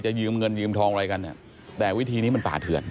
ยืมเงินยืมทองอะไรกันเนี่ยแต่วิธีนี้มันป่าเถื่อน